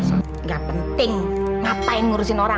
udah pulang ya ampun